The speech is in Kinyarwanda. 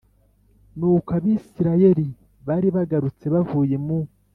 Nuko Abisirayeli bari bagarutse bavuye mu